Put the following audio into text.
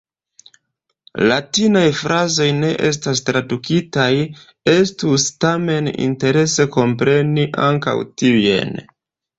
Latinaj frazoj ne estas tradukitaj; estus tamen interese kompreni ankaŭ tiujn.